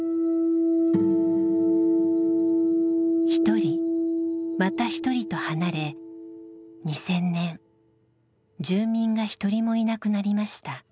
一人また一人と離れ２０００年住民が一人もいなくなりました。